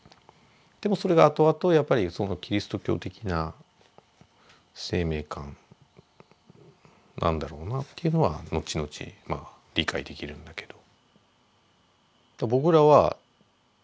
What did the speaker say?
でもそれがあとあとやっぱりキリスト教的な生命観なんだろうなというのは後々理解できるんだけど。